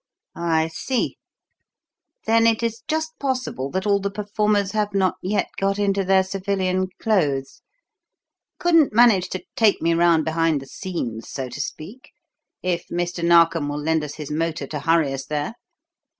"I see. Then it is just possible that all the performers have not yet got into their civilian clothes. Couldn't manage to take me round behind the scenes, so to speak, if Mr. Narkom will lend us his motor to hurry us there?